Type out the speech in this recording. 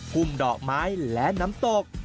ุ่มดอกไม้และน้ำตก